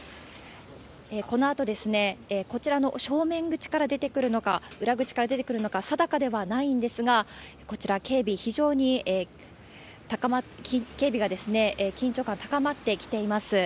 このあと、こちらの正面口から出てくるのか、裏口から出てくるのか、定かではないんですが、こちら、警備、非常に、警備が緊張感高まってきています。